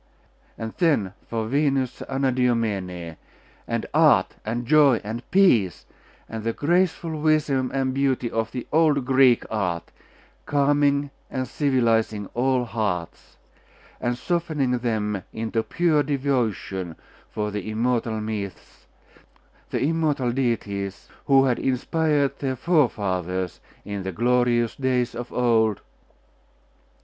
And then for Venus Anadyomene, and art, and joy, and peace, and the graceful wisdom and beauty of the old Greek art, calming and civilising all hearts, and softening them into pure devotion for the immortal myths, the immortal deities, who had inspired their forefathers in the glorious days of old....